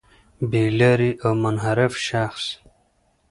بې لاري او منحرف شخص